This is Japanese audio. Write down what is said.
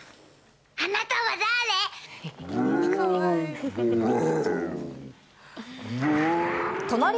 あなたは誰？